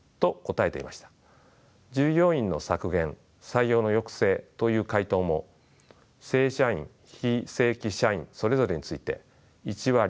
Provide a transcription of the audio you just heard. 従業員の「削減・採用の抑制」という回答も正社員非正規社員それぞれについて１割強となっています。